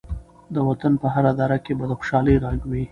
د وطن په هره دره کې به د خوشحالۍ غږ وي.